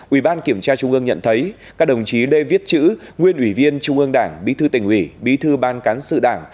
ủy ban kiểm tra trung ương nhận thấy các đồng chí lê viết chữ nguyên ủy viên trung ương đảng bí thư tỉnh ủy bí thư ban cán sự đảng